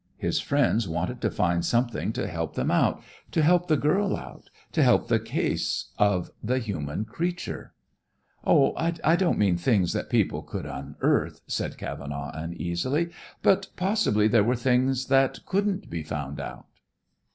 His friends wanted to find something to help them out, to help the girl out, to help the case of the human creature." "Oh, I don't mean things that people could unearth," said Cavenaugh uneasily. "But possibly there were things that couldn't be found out."